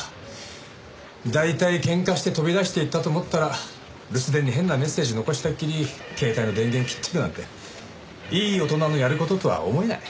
大体ケンカして飛び出していったと思ったら留守電に変なメッセージ残したっきり携帯の電源切ってるなんていい大人のやる事とは思えない。